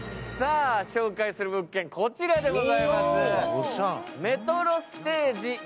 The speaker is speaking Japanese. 紹介する物件、こちらでございます。